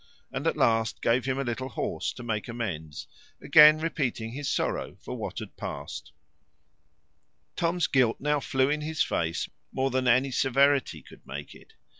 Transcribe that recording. And at last gave him a little horse to make him amends; again repeating his sorrow for what had past. Tom's guilt now flew in his face more than any severity could make it.